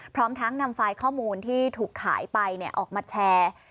พร้อมทั้งนำไฟล์ข้อมูลที่ถูกขายไปออกมาแชร์